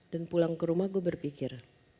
dan pulang ke rumah gue berpikir